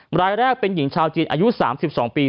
รายแรกเป็นหญิงชาวจีนอายุ๓๒ปี